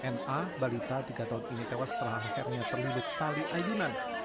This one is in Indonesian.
na balita tiga tahun ini tewas setelah akhirnya terlilit tali ayunan